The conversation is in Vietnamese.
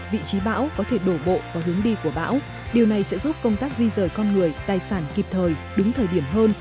vị trí bão có thể đổ bộ vào hướng đi của bão điều này sẽ giúp công tác di rời con người tài sản kịp thời đúng thời điểm hơn